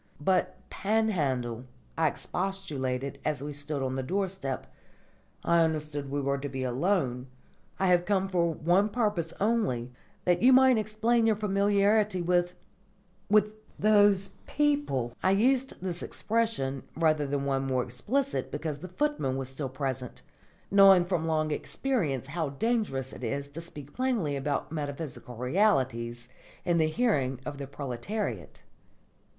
"But, Panhandle," I expostulated as we stood on the doorstep, "I understood we were to be alone. I have come for one purpose only, that you might explain your familiarity with with those people." I used this expression, rather than one more explicit, because the footman was still present, knowing from long experience how dangerous it is to speak plainly about metaphysical realities in the hearing of the proletariat.